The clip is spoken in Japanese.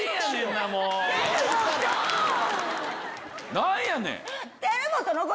何やねん？